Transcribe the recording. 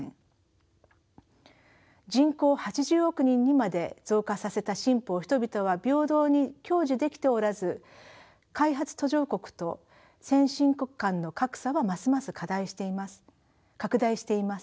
人口を８０億人にまで増加させた進歩を人々は平等に享受できておらず開発途上国と先進国間の格差はますます拡大しています。